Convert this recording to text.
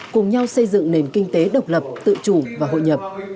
cùng nhau xây dựng nền kinh tế độc lập tự chủ và hội nhập